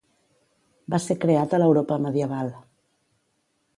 Va ser creat a l'Europa medieval.